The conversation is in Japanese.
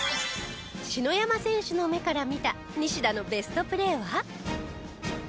篠山選手の目から見た西田のベストプレーは？